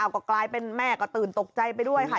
ก็กลายเป็นแม่ก็ตื่นตกใจไปด้วยค่ะ